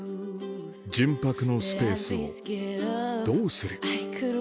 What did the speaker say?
純白のスペースをどうする？